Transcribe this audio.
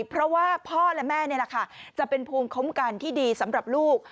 เพราะว่าพ่อและแม่นี่แหละค่ะจะเป็นภูมิคุ้มกันที่ดีสำหรับลูก